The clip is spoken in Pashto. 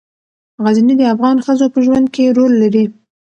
غزني د افغان ښځو په ژوند کې رول لري.